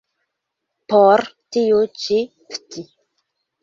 Por tiu ĉi vd.